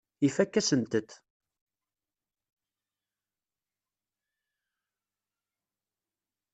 Ifakk-asent-t.